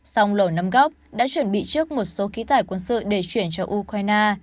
song lổ năm góc đã chuẩn bị trước một số ký tải quân sự để chuyển cho ukraine